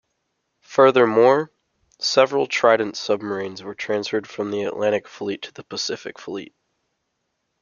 Furthermore, several Trident submarines were transferred from the Atlantic Fleet to the Pacific Fleet.